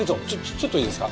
ちょっといいですか？